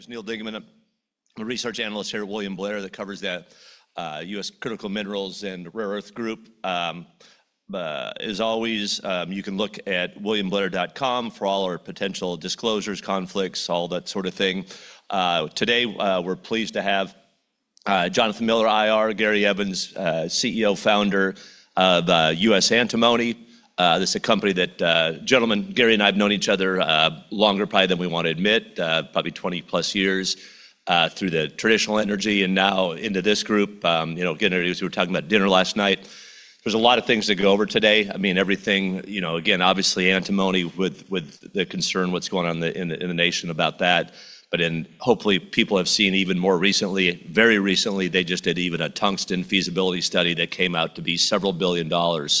There's Neal Dingmann. I'm a research analyst here at William Blair that covers the U.S. Critical Minerals and Rare Earth group. As always, you can look at williamblair.com for all our potential disclosures, conflicts, all that sort of thing. Today, we're pleased to have Jonathan Miller, IR, Gary Evans, CEO founder of United States Antimony. Gentlemen, Gary and I have known each other longer probably than we want to admit, probably 20-plus years through the traditional energy and now into this group. Again, as we were talking about at dinner last night, there's a lot of things to go over today. Again, obviously, antimony with the concern of what's going on in the nation about that. Hopefully people have seen very recently they just did even a tungsten feasibility study that came out to be several billion dollars.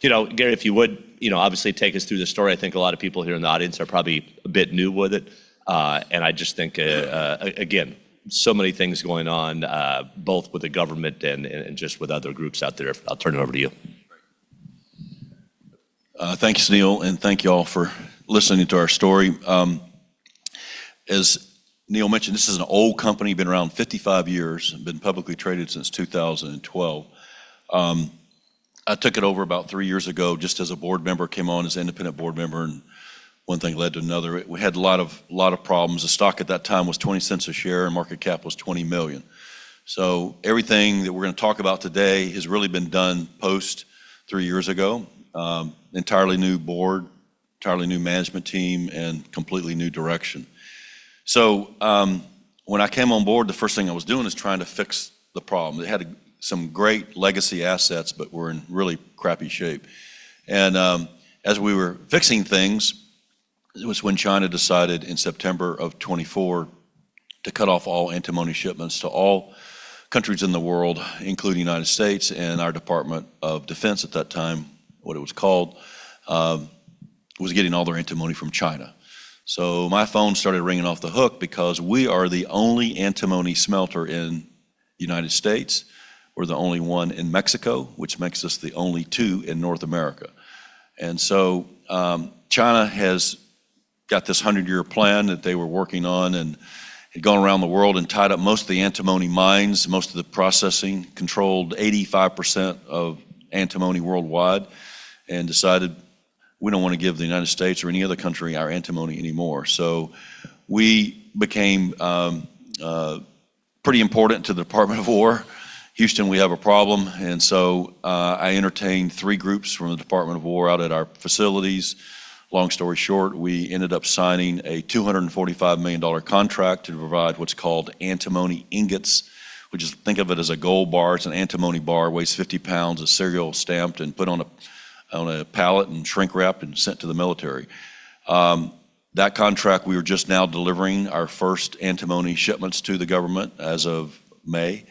Gary, if you would obviously take us through the story. I think a lot of people here in the audience are probably a bit new with it. I just think again, so many things going on both with the government and just with other groups out there. I'll turn it over to you. Thanks, Neal. Thank you all for listening to our story. As Neal mentioned, this is an old company. Been around 55 years and been publicly traded since 2012. I took it over about three years ago, just as a board member. Came on as independent board member, and one thing led to another. We had a lot of problems. The stock at that time was $0.20 a share, and market cap was $20 million. Everything that we're going to talk about today has really been done post three years ago. Entirely new board, entirely new management team, and completely new direction. When I came on board, the first thing I was doing was trying to fix the problem. They had some great legacy assets but were in really crappy shape. As we were fixing things was when China decided in September of 2024 to cut off all antimony shipments to all countries in the world, including U.S. Our United States Department of Defense at that time, what it was called, was getting all their antimony from China. My phone started ringing off the hook because we are the only antimony smelter in the U.S. We're the only one in Mexico, which makes us the only two in North America. China has got this 100-year plan that they were working on and had gone around the world and tied up most of the antimony mines, most of the processing. Controlled 85% of antimony worldwide and decided we don't want to give the U.S. or any other country our antimony anymore. We became pretty important to the Department of War. Houston, we have a problem. I entertained three groups from the Department of War out at our facilities. Long story short, we ended up signing a $245 million contract to provide what's called antimony ingots, which think of it as a gold bar. It's an antimony bar. Weighs 50 pounds. Is serial stamped and put on a pallet and shrink-wrapped and sent to the military. That contract we are just now delivering our first antimony shipments to the government as of May.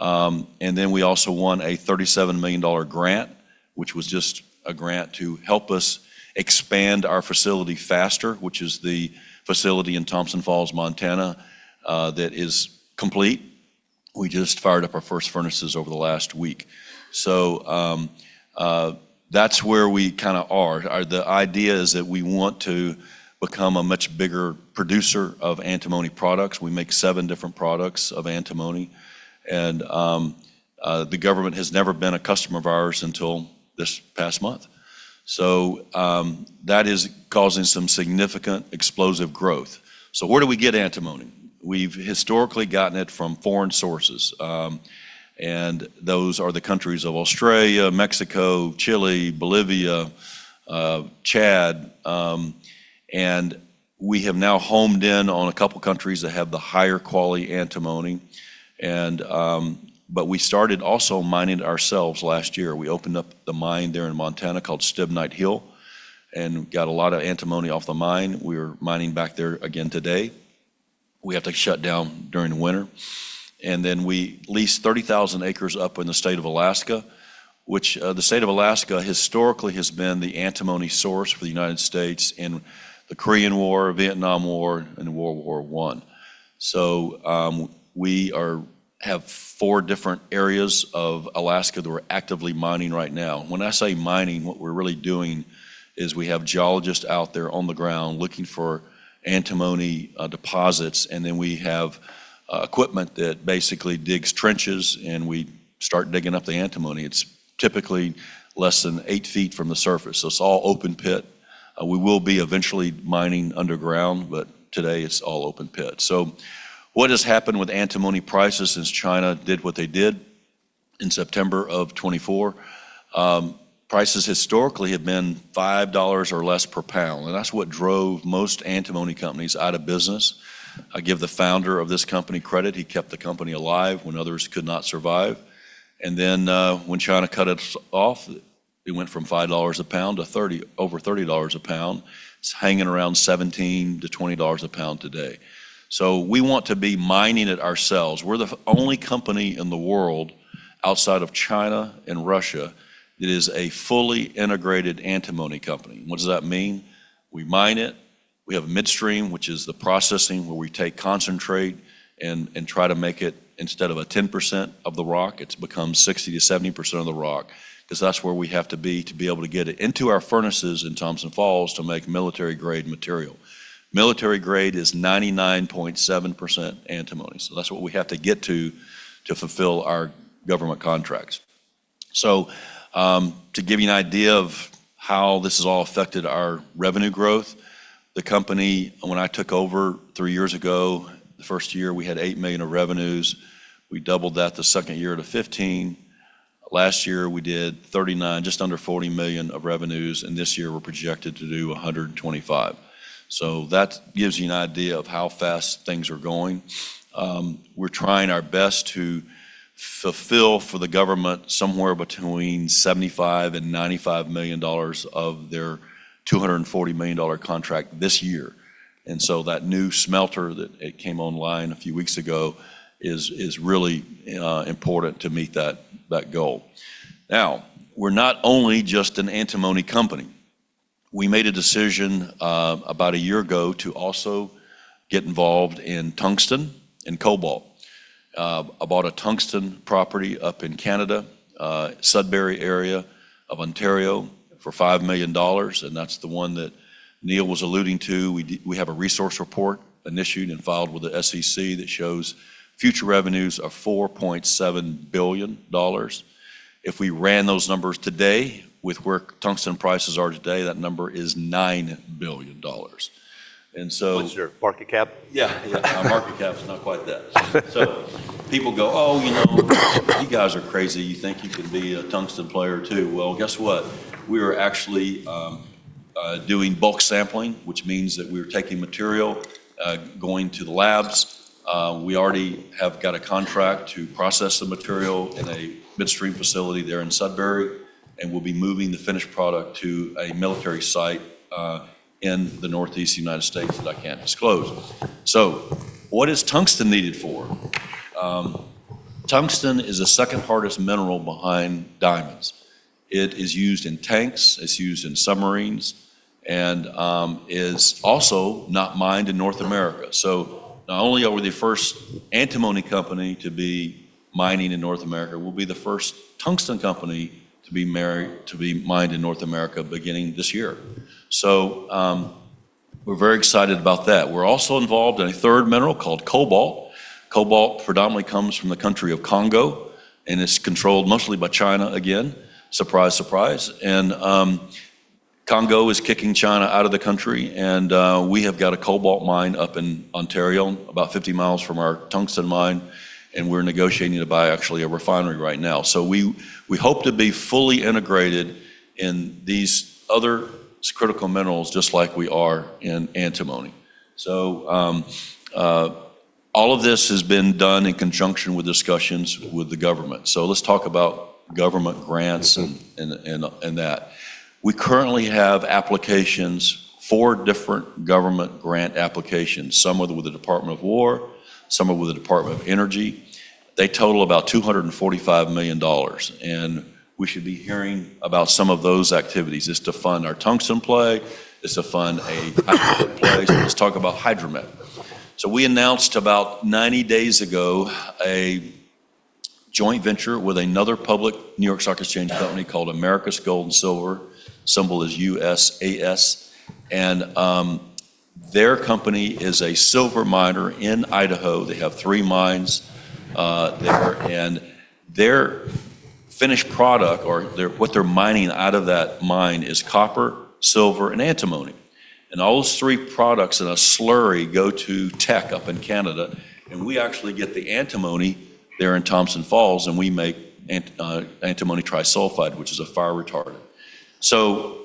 We also won a $37 million grant, which was just a grant to help us expand our facility faster, which is the facility in Thompson Falls, Montana that is complete. We just fired up our first furnaces over the last week. That's where we kind of are. The idea is that we want to become a much bigger producer of antimony products. We make seven different products of antimony. The government has never been a customer of ours until this past month. That is causing some significant explosive growth. Where do we get antimony? We've historically gotten it from foreign sources, and those are the countries of Australia, Mexico, Chile, Bolivia, Chad. We have now homed in on a couple countries that have the higher quality antimony. We started also mining it ourselves last year. We opened up the mine there in Montana called Stibnite Hill and got a lot of antimony off the mine. We're mining back there again today. We have to shut down during the winter. We leased 30,000 acres up in the state of Alaska, which the state of Alaska historically has been the antimony source for the United States in the Korean War, Vietnam War, and World War I. We have four different areas of Alaska that we're actively mining right now. When I say mining, what we're really doing is we have geologists out there on the ground looking for antimony deposits, and then we have equipment that basically digs trenches, and we start digging up the antimony. It's typically less than eight feet from the surface. It's all open pit. We will be eventually mining underground, but today it's all open pit. What has happened with antimony prices since China did what they did in September of 2024. Prices historically have been $5 or less per pound, and that's what drove most antimony companies out of business. I give the founder of this company credit. He kept the company alive when others could not survive. When China cut us off, it went from $5 a pound to over $30 a pound. It's hanging around $17-$20 a pound today. We want to be mining it ourselves. We're the only company in the world outside of China and Russia that is a fully integrated antimony company. What does that mean? We mine it. We have midstream, which is the processing, where we take concentrate and try to make it, instead of a 10% of the rock, it's become 60%-70% of the rock, because that's where we have to be to be able to get it into our furnaces in Thompson Falls to make military-grade material. Military grade is 99.7% antimony, that's what we have to get to to fulfill our government contracts. To give you an idea of how this has all affected our revenue growth, the company, when I took over three years ago, the first year, we had $8 million of revenues. We doubled that the second year to $15. Last year, we did $39, just under $40 million of revenues. This year, we're projected to do $125. That gives you an idea of how fast things are going. We're trying our best to fulfill for the government somewhere between $75 million-$95 million of their $240 million contract this year. That new smelter that came online a few weeks ago is really important to meet that goal. Now, we're not only just an antimony company. We made a decision about a year ago to also get involved in tungsten and cobalt. I bought a tungsten property up in Canada, Sudbury area of Ontario, for $5 million. That's the one that Neal was alluding to. We have a resource report initiated and filed with the SEC that shows future revenues of $4.7 billion. If we ran those numbers today with where tungsten prices are today, that number is $9 billion. What's your market cap? Yeah. Yeah. Our market cap's not quite that. People go, "Oh, you guys are crazy. You think you can be a tungsten player, too?" Well, guess what? We are actually doing bulk sampling, which means that we are taking material, going to the labs. We already have got a contract to process the material in a midstream facility there in Sudbury, and we'll be moving the finished product to a military site in the Northeast U.S. that I can't disclose. What is tungsten needed for? Tungsten is the second hardest mineral behind diamonds. It is used in tanks. It's used in submarines and is also not mined in North America. Not only are we the first antimony company to be mining in North America, we'll be the first tungsten company to be mined in North America beginning this year. We're very excited about that. We're also involved in a third mineral called cobalt. Cobalt predominantly comes from the country of Congo, and it's controlled mostly by China, again, surprise. Congo is kicking China out of the country, and we have got a cobalt mine up in Ontario, about 50 miles from our tungsten mine, and we're negotiating to buy actually a refinery right now. We hope to be fully integrated in these other critical minerals just like we are in antimony. All of this has been done in conjunction with discussions with the government. Let's talk about government grants and that. We currently have applications, four different government grant applications, some with the Department of War, some with the Department of Energy. They total about $245 million. We should be hearing about some of those activities. It's to fund our tungsten play. It's to fund a play. Let's talk about Hydromet. We announced about 90 days ago a joint venture with another public New York Stock Exchange company called Americas Gold & Silver, symbol is USAS, and their company is a silver miner in Idaho. They have three mines there. Their finished product or what they're mining out of that mine is copper, silver, and antimony. All those three products, in a slurry, go to Teck up in Canada. We actually get the antimony there in Thompson Falls, and we make antimony trisulfide, which is a fire retardant.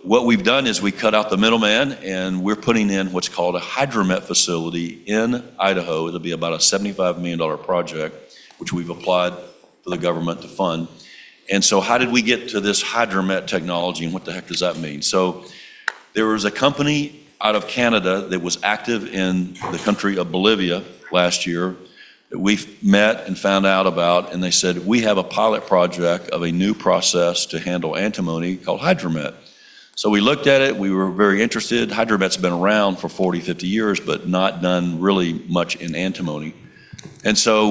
What we've done is we cut out the middleman, and we're putting in what's called a Hydromet facility in Idaho. It'll be about a $75 million project, which we've applied for the government to fund. How did we get to this Hydromet technology, and what the heck does that mean? There was a company out of Canada that was active in the country of Bolivia last year that we've met and found out about, and they said, "We have a pilot project of a new process to handle antimony called Hydromet." We looked at it. We were very interested. Hydromet's been around for 40, 50 years but not done really much in antimony.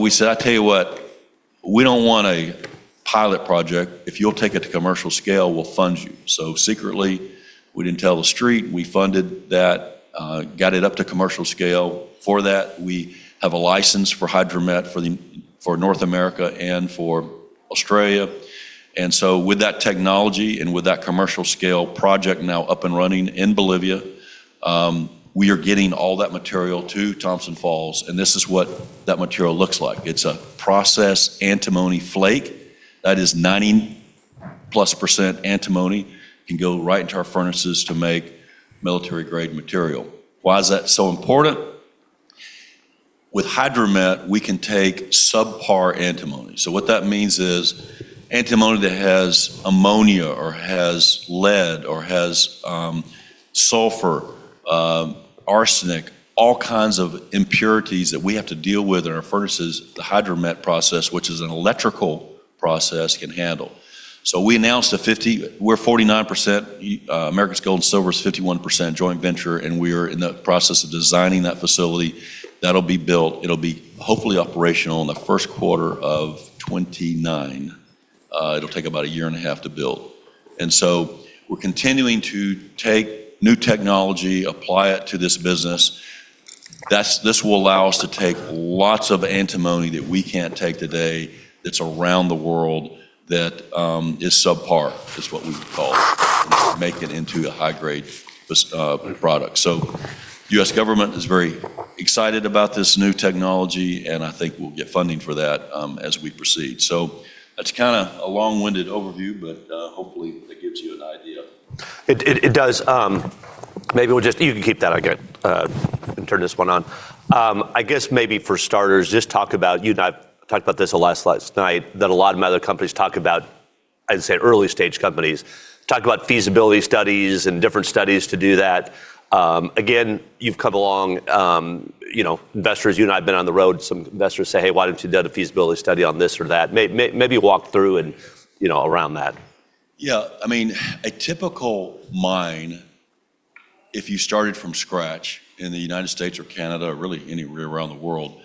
We said, "I tell you what. We don't want a pilot project. If you'll take it to commercial scale, we'll fund you." Secretly, we didn't tell the Street, we funded that, got it up to commercial scale. For that, we have a license for Hydromet for North America and for Australia. With that technology and with that commercial scale project now up and running in Bolivia, we are getting all that material to Thompson Falls, and this is what that material looks like. It's a processed antimony flake. That is 90-plus% antimony, can go right into our furnaces to make military-grade material. Why is that so important? With Hydromet, we can take subpar antimony. What that means is antimony that has ammonia or has lead or has sulfur, arsenic, all kinds of impurities that we have to deal with in our furnaces. The Hydromet process, which is an electrical process, can handle. We announced that we're 49%, Americas Gold and Silver is 51% joint venture, and we are in the process of designing that facility that'll be built. It'll be hopefully operational in the first quarter of 2029. It'll take about a year and a half to build. We're continuing to take new technology, apply it to this business. This will allow us to take lots of antimony that we can't take today that's around the world that is subpar, is what we would call it, and make it into a high-grade product. The U.S. government is very excited about this new technology, and I think we'll get funding for that as we proceed. That's kind of a long-winded overview, but hopefully that gives you an idea. It does. You can keep that. I got it. I can turn this one on. I guess maybe for starters, just talk about, you and I talked about this last night, that a lot of my other companies talk about, I'd say early-stage companies, talk about feasibility studies and different studies to do that. Again, you've come along. Investors, you and I have been on the road. Some investors say, "Hey, why don't you do a feasibility study on this or that?" Maybe walk through and around that. Yeah. A typical mine, if you started from scratch in the United States or Canada, or really anywhere around the world,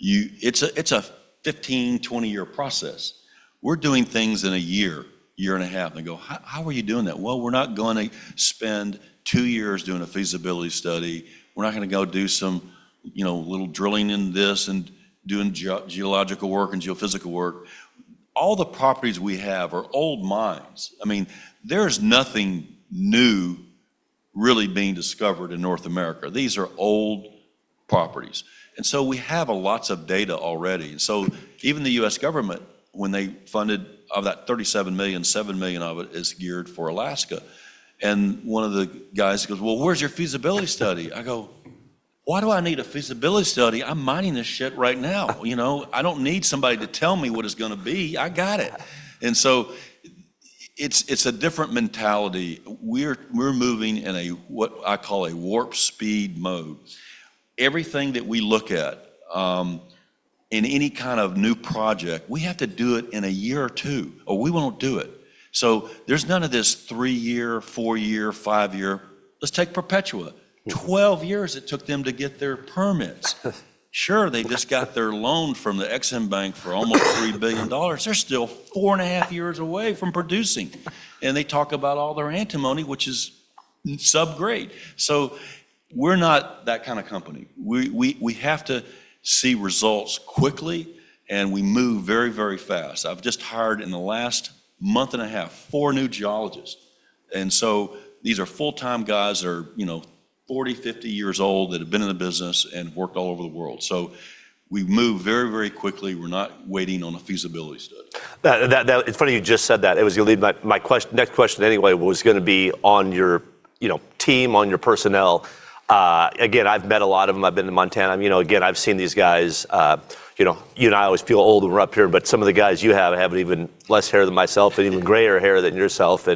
it's a 15, 20 year process. We're doing things in a year and a half, and they go, "How are you doing that?" Well, we're not going to spend two years doing a feasibility study. We're not going to go do some little drilling in this and doing geological work and geophysical work. All the properties we have are old mines. There's nothing new really being discovered in North America. These are old properties, and so we have lots of data already. Even the U.S. government, when they funded, of that $37 million, $7 million of it is geared for Alaska. One of the guys goes, "Well, where's your feasibility study?" I go, "Why do I need a feasibility study? I'm mining this shit right now. I don't need somebody to tell me what it's going to be. I got it. It's a different mentality. We're moving in a, what I call a warp-speed mode. Everything that we look at, in any kind of new project, we have to do it in a year or two, or we won't do it. There's none of this three-year, four-year, five-year. Let's take Perpetua. 12 years it took them to get their permits. Sure, they just got their loan from the EXIM Bank for almost $3 billion. They're still four and a half years away from producing. They talk about all their antimony, which is sub-grade. We're not that kind of company. We have to see results quickly, and we move very fast. I've just hired, in the last month and a half, four new geologists, These are full-time guys that are 40, 50 years old that have been in the business and worked all over the world. We move very quickly. We're not waiting on a feasibility study. It's funny you just said that. It was going to lead to my next question anyway, was going to be on your team, on your personnel. Again, I've met a lot of them. I've been to Montana. Again, I've seen these guys. You and I always feel old when we're up here, but some of the guys you have even less hair than myself and even grayer hair than yourself.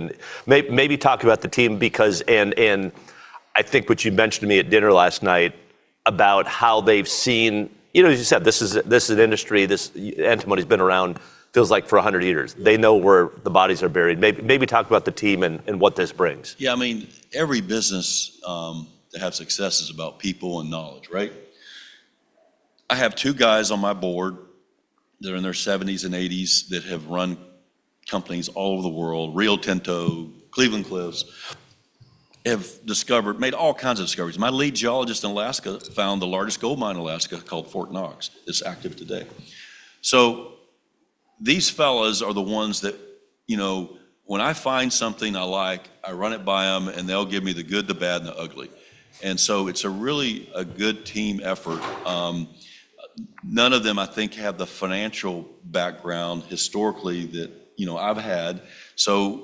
Maybe talk about the team because, and I think what you mentioned to me at dinner last night about how they've seen—As you said, this is an industry. This antimony's been around, feels like for 100 years. They know where the bodies are buried. Maybe talk about the team and what this brings. Yeah. Every business that has success is about people and knowledge, right? I have two guys on my board, they're in their 70s and 80s, that have run companies all over the world. Rio Tinto, Cleveland-Cliffs. Have made all kinds of discoveries. My lead geologist in Alaska found the largest gold mine in Alaska called Fort Knox. It's active today. These fellas are the ones that when I find something I like, I run it by them, and they'll give me the good, the bad, and the ugly. It's really a good team effort. None of them, I think, have the financial background historically that I've had.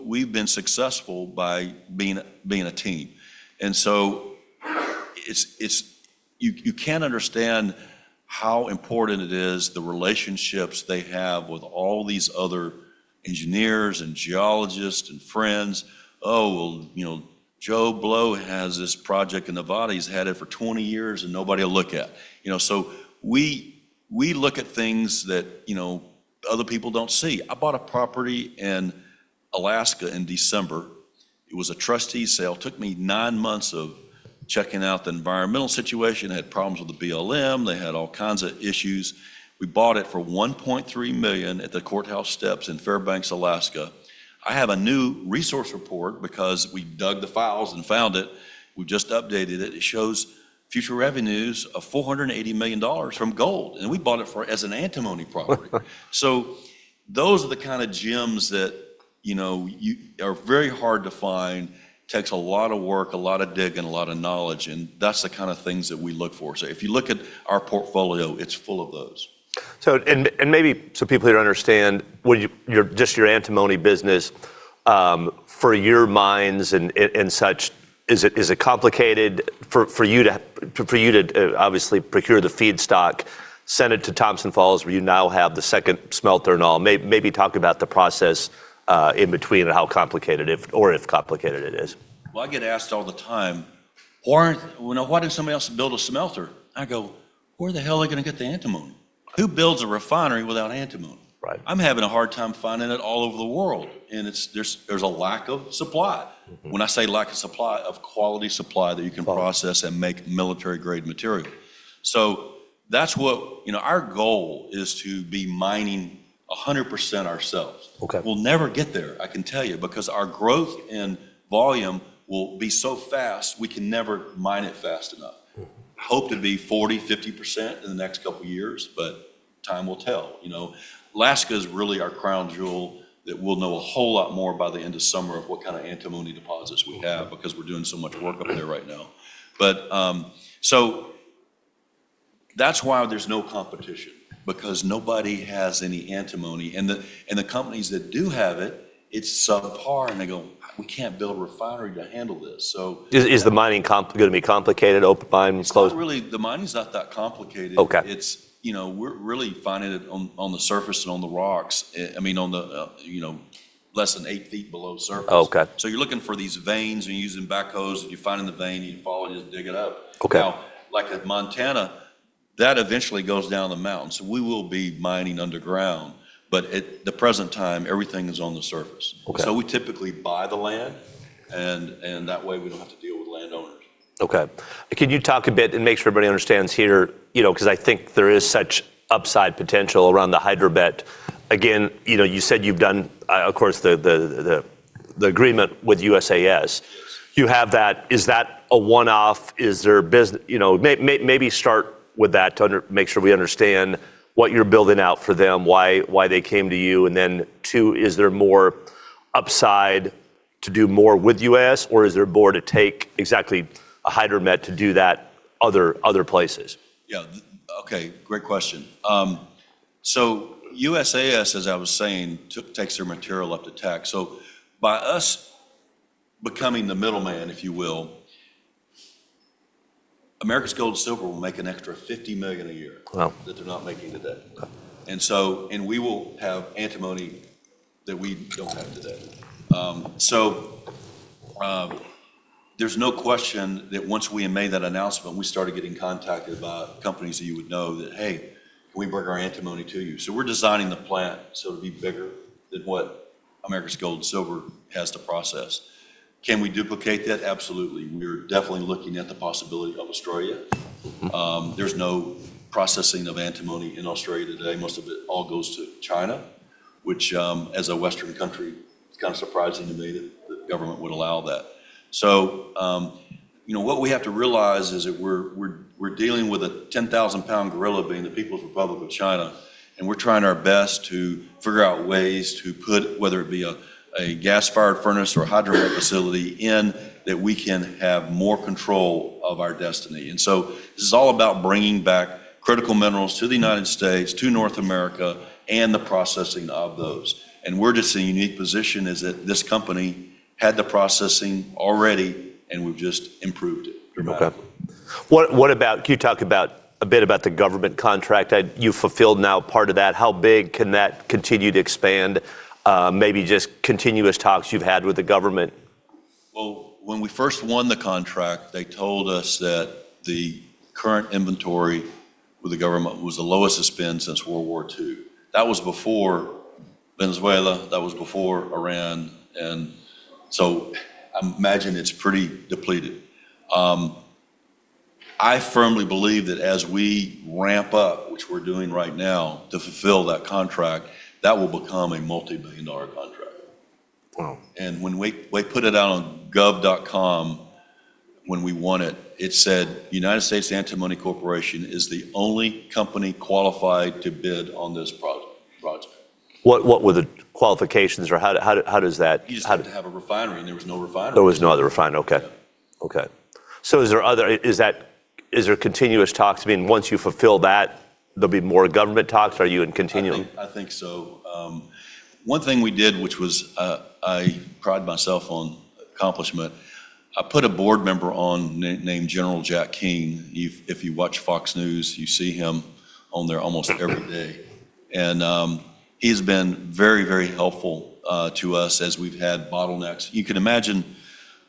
We've been successful by being a team, and so you can't understand how important it is, the relationships they have with all these other engineers and geologists and friends. "Oh, well, Joe Blow has this project in Nevada. He's had it for 20 years. Nobody will look at it. We look at things that other people don't see. I bought a property in Alaska in December. It was a trustee sale. Took me nine months of checking out the environmental situation. Had problems with the BLM. They had all kinds of issues. We bought it for $1.3 million at the courthouse steps in Fairbanks, Alaska. I have a new resource report because we dug the files and found it. We just updated it. It shows future revenues of $480 million from gold, and we bought it as an antimony property. Those are the kind of gems that are very hard to find. Takes a lot of work, a lot of digging, a lot of knowledge, and that's the kind of things that we look for. If you look at our portfolio, it's full of those. Maybe so people here understand, just your antimony business, for your mines and such, is it complicated for you to obviously procure the feedstock, send it to Thompson Falls, where you now have the second smelter and all? Talk about the process in between and how complicated or if complicated it is. I get asked all the time. Why did somebody else build a smelter? I go: "Where the hell are they going to get the antimony?" Who builds a refinery without antimony? Right. I'm having a hard time finding it all over the world, and there's a lack of supply. When I say lack of supply, of quality supply that you can process— Right Make military-grade material. Our goal is to be mining 100% ourselves. Okay. We'll never get there, I can tell you, because our growth in volume will be so fast, we can never mine it fast enough. Hope to be 40%, 50% in the next couple of years, but time will tell. Alaska's really our crown jewel, that we'll know a whole lot more by the end of summer of what kind of antimony deposits we have, because we're doing so much work up there right now. That's why there's no competition because nobody has any antimony, and the companies that do have it's sub-par, and they go, "We can't build a refinery to handle this. Is the mining going to be complicated? Open mines, closed? It's not really. The mining's not that complicated. Okay. We're really finding it on the surface and on the rocks. On less than eight feet below surface. Okay. You're looking for these veins and you're using backhoes, and you find the vein, you follow it, you dig it up. Okay. Like at Montana, that eventually goes down the mountain. We will be mining underground, but at the present time, everything is on the surface. Okay. We typically buy the land, and that way we don't have to deal with landowners. Okay. Could you talk a bit and make sure everybody understands here, because I think there is such upside potential around the Hydromet. You said you've done, of course, the agreement with USAS. Yes. You have that. Is that a one-off? Maybe start with that to make sure we understand what you're building out for them, why they came to you, and then two, is there more upside to do more with U.S. Or is there more to take exactly a Hydromet to do that other places? Yeah. Okay, great question. USAS, as I was saying, takes their material up to Teck. By us becoming the middleman, if you will, Americas Gold & Silver will make an extra $50 million a year. Wow. We will have antimony that we don't have today. There's no question that once we had made that announcement, we started getting contacted by companies that you would know, that, "Hey, can we bring our antimony to you?" We're designing the plant so it'll be bigger than what Americas Gold and Silver has to process. Can we duplicate that? Absolutely. We're definitely looking at the possibility of Australia. There's no processing of antimony in Australia today. Most of it all goes to China, which, as a Western country, it's kind of surprising to me that the government would allow that. What we have to realize is that we're dealing with a 10,000-pound gorilla being the People's Republic of China, and we're trying our best to figure out ways to put, whether it be a gas-fired furnace or a Hydromet facility, in that we can have more control of our destiny. This is all about bringing back critical minerals to the United States, to North America, and the processing of those. We're just in a unique position as that this company had the processing already and we've just improved it dramatically. Okay. Can you talk a bit about the government contract that you've fulfilled now, part of that? How big can that continue to expand? Maybe just continuous talks you've had with the government? Well, when we first won the contract, they told us that the current inventory with the government was the lowest it's been since World War II. That was before Venezuela, that was before Iran. I imagine it's pretty depleted. I firmly believe that as we ramp up, which we're doing right now to fulfill that contract, that will become a multi-billion-dollar contract. Wow. When we put it out on .gov when we won it said, "United States Antimony Corporation is the only company qualified to bid on this project. What were the qualifications, or how does that? You just had to have a refinery, and there was no refinery. There was no other refinery, okay. Yeah. Okay. Is there continuous talks? Meaning once you fulfill that, there'll be more government talks? Are you in continuing? I think so. One thing we did, which I pride myself on accomplishment, I put a board member on named General Jack Keane. If you watch Fox News, you see him on there almost every day. He's been very, very helpful to us as we've had bottlenecks. You can imagine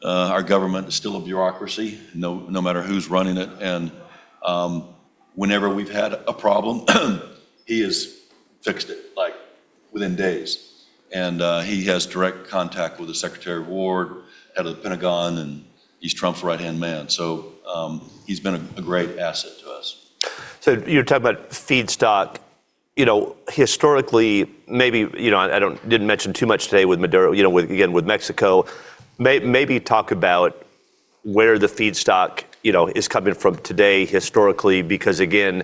our government is still a bureaucracy, no matter who's running it and whenever we've had a problem, he has fixed it within days. He has direct contact with the Secretary of War, head of the Pentagon, and he's Trump's right-hand man. He's been a great asset to us. You're talking about feedstock. Historically, I didn't mention too much today with Mexico. Maybe talk about where the feedstock is coming from today, historically, because again,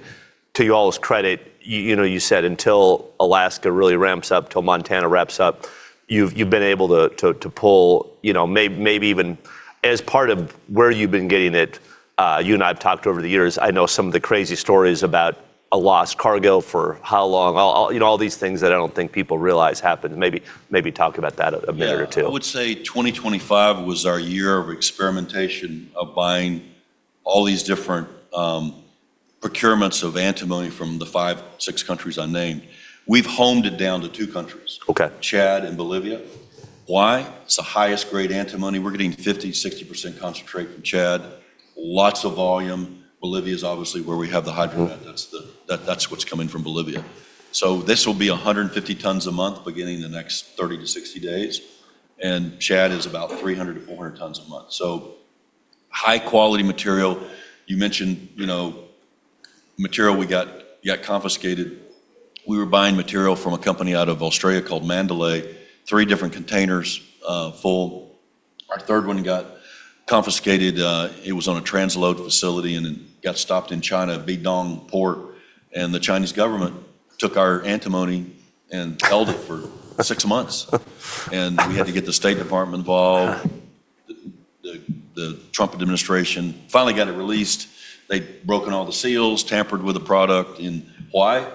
to y'all's credit, you said until Alaska really ramps up, till Montana ramps up, you've been able to pull maybe even as part of where you've been getting it. You and I have talked over the years. I know some of the crazy stories about a lost cargo for how long. All these things that I don't think people realize happen. Maybe talk about that a minute or two. Yeah. I would say 2025 was our year of experimentation, of buying all these different procurements of antimony from the five, six countries I named. We've honed it down to two countries. Okay. Chad and Bolivia. Why? It's the highest grade antimony. We're getting 50%, 60% concentrate from Chad. Lots of volume. Bolivia's obviously where we have the Hydromet. That's what's coming from Bolivia. This will be 150 tons a month, beginning in the next 30 to 60 days, and Chad is about 300 to 400 tons a month. High-quality material. You mentioned material we got confiscated. We were buying material from a company out of Australia called Mandalay. Three different containers full. Our third one got confiscated. It was on a transload facility and then got stopped in China, Beijiao Port, and the Chinese government took our antimony and held it for six months. We had to get the State Department involved. The Trump administration finally got it released. They'd broken all the seals, tampered with the product, and why?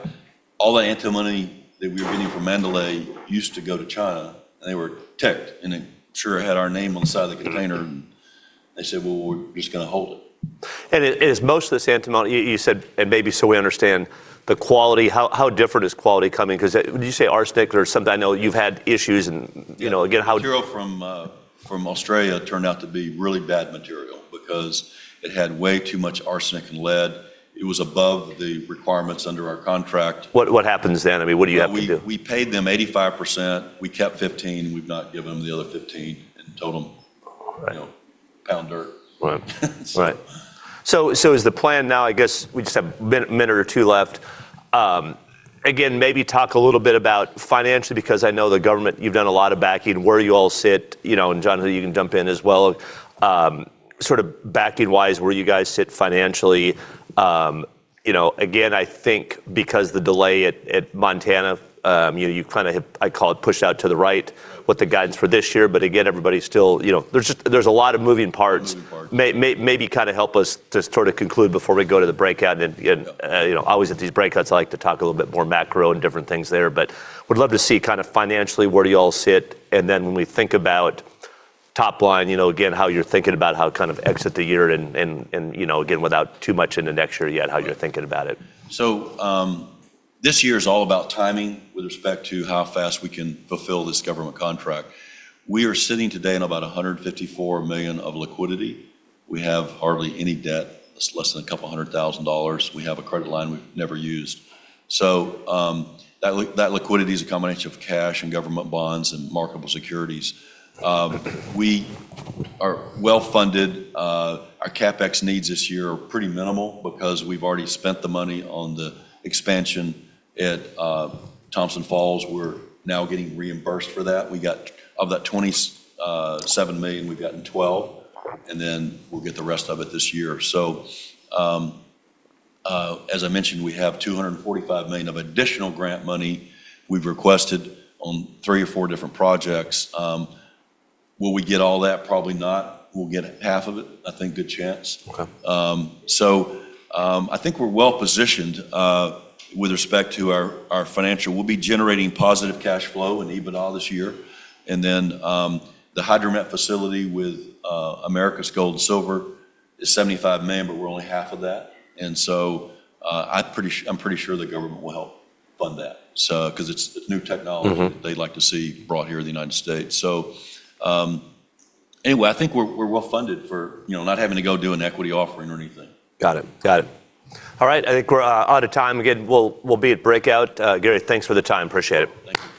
All the antimony that we were getting from Mandalay used to go to China, and they were ticked, and it sure had our name on the side of the container. They said, "Well, we're just going to hold it. Is most of this antimony You said, and maybe so we understand, the quality. How different is quality coming? Did you say arsenic or something? I know you've had issues and again. Material from Australia turned out to be really bad material because it had way too much arsenic and lead. It was above the requirements under our contract. What happens then? What do you have to do? We paid them 85%. We kept 15%, and we've not given them the other 15% and told them. Right You know, pound dirt. Right. Right. Is the plan now, I guess we just have a minute or two left. Again, maybe talk a little bit about financially, because I know the government, you've done a lot of backing where you all sit, and Jonathan, you can jump in as well. Sort of backing-wise, where you guys sit financially. Again, I think because the delay at Montana, you kind of have, I call it, pushed out to the right with the guidance for this year. Again, everybody's still. There's a lot of moving parts. A lot of moving parts. Maybe kind of help us just sort of conclude before we go to the breakout. Yep Always at these breakouts, I like to talk a little bit more macro and different things there. Would love to see kind of financially where do you all sit, and then when we think about top line, again, how you're thinking about how to kind of exit the year and again, without too much into next year yet, how you're thinking about it. This year's all about timing with respect to how fast we can fulfill this government contract. We are sitting today on about $154 million of liquidity. We have hardly any debt. It's less than $200,000. We have a credit line we've never used. That liquidity is a combination of cash and government bonds and marketable securities. We are well-funded. Our CapEx needs this year are pretty minimal because we've already spent the money on the expansion at Thompson Falls. We're now getting reimbursed for that. Of that $27 million, we've gotten $12, and then we'll get the rest of it this year. As I mentioned, we have $245 million of additional grant money we've requested on three or four different projects. Will we get all that? Probably not. Will we get half of it? I think good chance. Okay. I think we're well-positioned, with respect to our financial. We'll be generating positive cash flow and EBITDA this year. The Hydromet facility with Americas Gold and Silver is $75 million, but we're only half of that. I'm pretty sure the government will help fund that, because it's new technology. they'd like to see brought here to the United States. Anyway, I think we're well-funded for not having to go do an equity offering or anything. Got it. All right. I think we're out of time again. We'll be at breakout. Gary, thanks for the time. Appreciate it. Thank you.